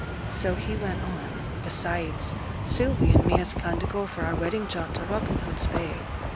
So he went on. 'Besides, Sylvie and me has planned to go for our wedding jaunt to Robin Hood's Bay.